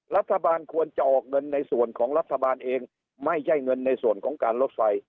รัฐบาลควรจะออกเงินในส่วนของรัฐบาลเองไม่ใช่เงินในส่วนของการลดไฟ